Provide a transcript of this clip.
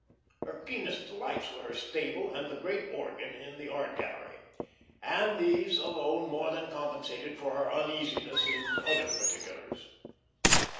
Her keenest delights were her stable and the great organ in the art gallery; and these alone more than compensated for her uneasiness in other particulars.